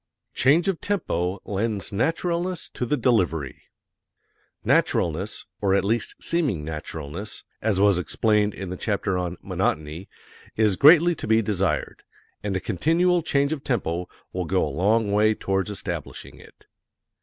Change of Tempo Lends Naturalness to the Delivery Naturalness, or at least seeming naturalness, as was explained in the chapter on "Monotony," is greatly to be desired, and a continual change of tempo will go a long way towards establishing it.